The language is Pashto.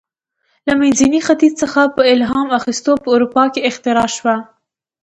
له منځني ختیځ څخه په الهام اخیستو په اروپا کې اختراع شوه.